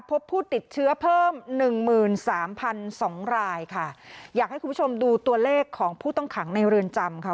พบผู้ติดเชื้อเพิ่มหนึ่งหมื่นสามพันสองรายค่ะอยากให้คุณผู้ชมดูตัวเลขของผู้ต้องขังในเรือนจำค่ะ